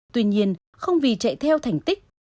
tuy nhiên không vì chạy theo thành tích